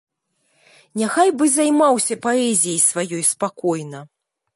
Няхай бы займаўся паэзіяй сваёй спакойна.